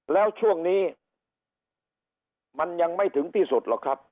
แล้วช่วงนี้มันยังไม่ถึงที่สุดหรอกครับ